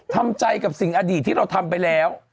ทำใจกับสิ่งอดีตที่เราทำไปแล้ว